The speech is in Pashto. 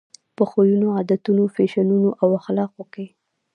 په خویونو، عادتونو، فیشنونو او اخلاقو کې.